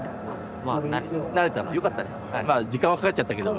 まあ時間はかかっちゃったけども。